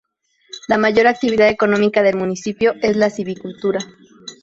La mayor actividad económica del municipio es la silvicultura.